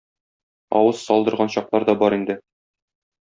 Авыз салдырган чаклар да бар инде.